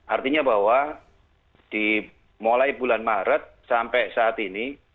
artinya bahwa mulai bulan maret sampai saat ini